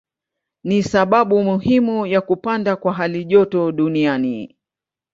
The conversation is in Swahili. Ni sababu muhimu ya kupanda kwa halijoto duniani.